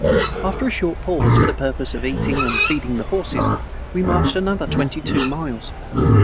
After a short pause for the purpose of eating and feeding the horses, we marched another twenty two miles.